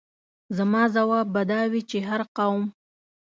زما ځواب به دا وي چې هر قوم.